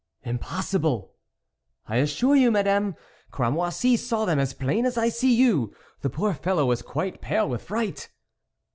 " Impossible !"" I assure you, Madame, Cramoisi saw them as plain as I see you ; the poor fellow was quite pale with fright."